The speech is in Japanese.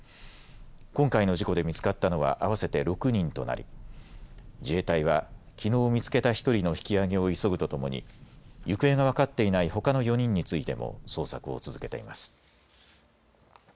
今回の事故で見つかったのは合わせて６人となり自衛隊はきのう見つけた１人の引きあげを急ぐとともに行方が分かっていないほかの４人についても捜索を続けています。